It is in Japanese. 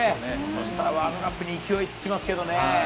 そしたら、ワールドカップに勢いつきますけれどもね。